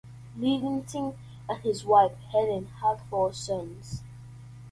Lidington and his wife Helen have four sons.